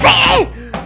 mak tarik nggak mau